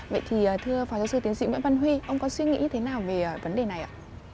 vậy thì thưa phó giáo sư tiến sĩ nguyễn văn huy ông có suy nghĩ thế nào về vấn đề này ạ